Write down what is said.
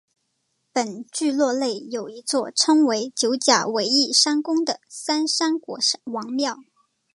本聚落内有一座称为九甲围义山宫的三山国王庙。